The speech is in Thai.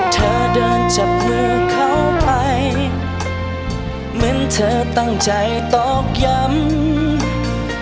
เธอเดินจับมือเขาไปเหมือนเธอตั้งใจตอกย้ำ